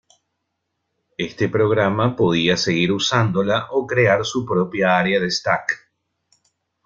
Este programa podía seguir usándola o crear su propia área de stack.